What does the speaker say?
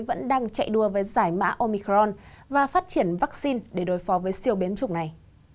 vẫn đang chạy đua với giải mã omicron và phát triển vaccine để đối phó với siêu biến chủng này